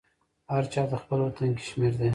هر چاته خپل وطن کشمیر دی